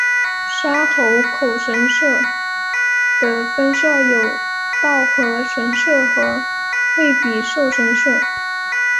沙河口神社的分社有稻荷神社和惠比寿神社。